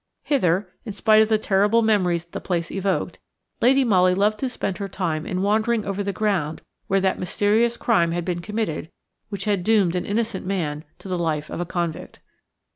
Hither–in spite of the terrible memories the place evoked–Lady Molly loved to spend her time in wandering over the ground where that mysterious crime had been committed which had doomed an innocent man to the life of a convict.